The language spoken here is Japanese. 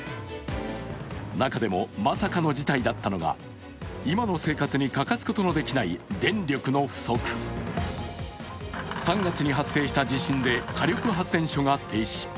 中でもまさかの事態だったのが今の生活に欠かすことのできない電力の不足、３月に発生した地震で火力発電所が停止。